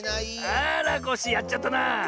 あらコッシーやっちゃったな！